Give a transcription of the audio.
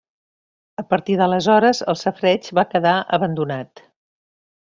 A partir d'aleshores el safareig va quedar abandonat.